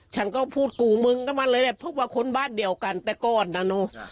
ฉันก็พูดกูมึงกับมันเลยแหละเพราะว่าคนบ้านเดียวกันแต่ก่อนน่ะเนอะ